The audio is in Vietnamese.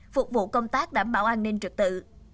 phục vụ công tác đảm bảo an ninh trực tự